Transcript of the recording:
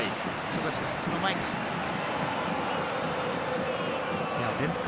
その前か。